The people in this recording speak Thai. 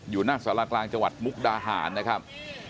อยู่หน้าสารกลางจังหวัดมุกดาหารนะครับ